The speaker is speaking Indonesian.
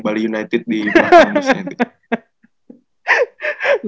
bali united di belakang